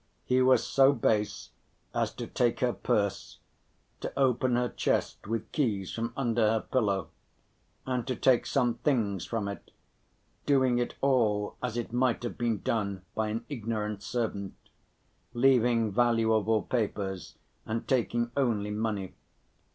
He was so base as to take her purse, to open her chest with keys from under her pillow, and to take some things from it, doing it all as it might have been done by an ignorant servant, leaving valuable papers and taking only money.